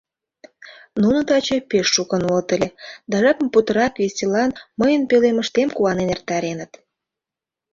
— Нуно таче пеш шукын улыт ыле, да жапым путырак веселан мыйын пӧлемыштем куанен эртареныт.